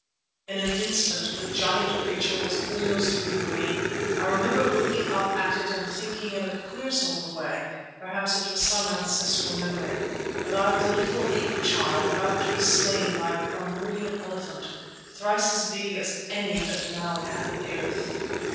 In an instant the giant creature was almost over me. I remember looking up at it and thinking in a queer sort of a way—perhaps it was some ancestral memory—that I was a little ape like child about to be slain by a primordial elephant, thrice as big as any that now inhabit the earth.